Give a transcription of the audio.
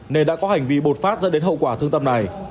nên đã có hành vi bột phát dẫn đến hậu quả thương tâm này